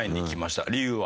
理由は？